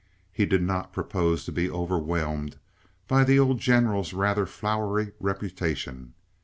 He did not propose to be overwhelmed by the old General's rather flowery reputation.